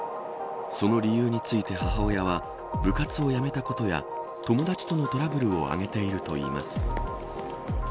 その理由について母親は部活を辞めたことや友達とのトラブルを挙げているといいます。